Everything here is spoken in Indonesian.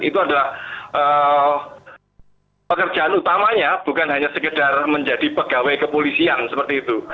itu adalah pekerjaan utamanya bukan hanya sekedar menjadi pegawai kepolisian seperti itu